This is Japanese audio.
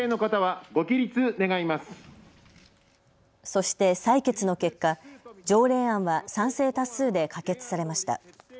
そして採決の結果、条例案は賛成多数で可決されました。